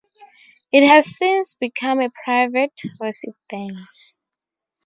It has since become a private residence.